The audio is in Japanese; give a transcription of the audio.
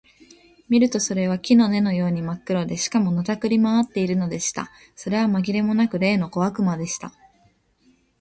見るとそれは木の根のようにまっ黒で、しかも、のたくり廻っているのでした。それはまぎれもなく、例の小悪魔でした。